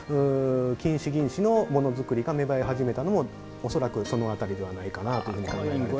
金糸、銀糸のものづくりが芽生え始めたのも恐らく、その辺りではないかなと考えています。